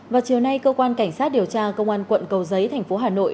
vào chiều nay cơ quan cảnh sát điều tra công an quận cầu giấy tp hà nội